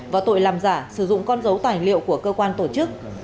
và tội làm giả sử dụng con dấu tài liệu của cơ quan tổ chức